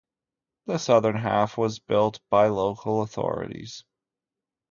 The southern half was built by local authorities.